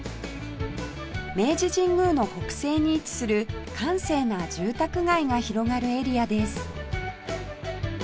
明治神宮の北西に位置する閑静な住宅街が広がるエリアです